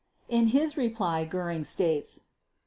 In his reply Göring states